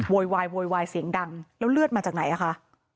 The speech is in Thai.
โวยวายโวยวายเสียงดังแล้วเลือดมาจากไหนอ่ะคะ